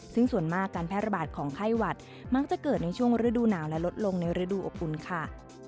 ซึ่งส่วนมากการแพร่ระบาดของไข้หวัดมักจะเกิดในช่วงฤดูหนาวและลดลงในฤดูอบอุ่นค่ะ